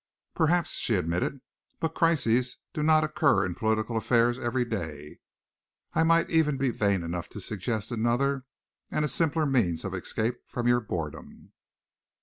"Perhaps," she admitted, "but crises do not occur in political affairs every day. I might even be vain enough to suggest another and a simpler means of escape from your boredom."